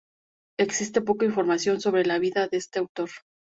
Existe poca información sobre la vida de este autor.